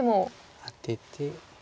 アテて。